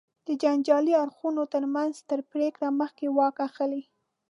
د جنجالي اړخونو تر منځ تر پرېکړې مخکې واک اخلي.